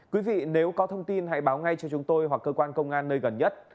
quý vị nếu có thông tin hãy báo ngay cho chúng tôi hoặc cơ quan công an nơi gần nhất